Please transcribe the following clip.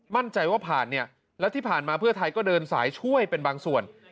มั่นใจว่าผ่านเนี่ยแล้วที่ผ่านมาเพื่อไทยก็เดินสายช่วยเป็นบางส่วน